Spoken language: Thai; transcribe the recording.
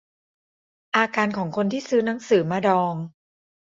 อาการของคนที่ซื้อหนังสือมาดอง